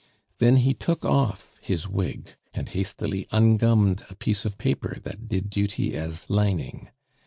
Then he took off his wig, and hastily ungummed a piece of paper that did duty as lining.